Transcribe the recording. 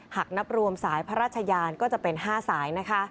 หากนับรวมสายพระราชยานก็จะเป็น๕สาย